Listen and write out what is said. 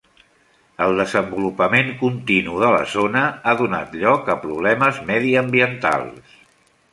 El desenvolupament continu de la zona ha donat lloc a problemes mediambientals.